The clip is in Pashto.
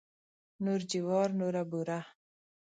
نور جوار نوره بوره.